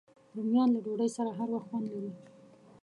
رومیان له ډوډۍ سره هر وخت خوند لري